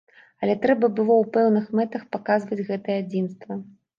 Але трэба было ў пэўных мэтах паказваць гэтае адзінства.